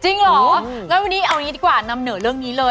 เหรองั้นวันนี้เอาอย่างนี้ดีกว่านำเหนอเรื่องนี้เลย